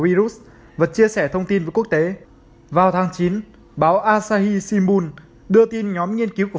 virus và chia sẻ thông tin với quốc tế vào tháng chín báo asahi simun đưa tin nhóm nghiên cứu của